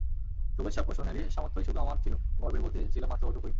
শুভেচ্ছা পোষণেরই সামর্থ্যই শুধু আমার ছিল, গর্বের বলতে ছিল মাত্র ওটুকুই।